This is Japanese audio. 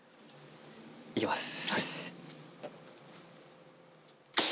いきます。